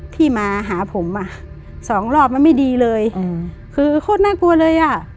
พี่มาหาผม๒รอบมันไม่ดีเลยคือโคตรน่ากลัวเลย